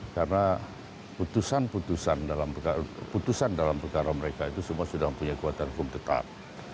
karena putusan putusan dalam perkara mereka itu semua sudah punya kuatan hukum tetap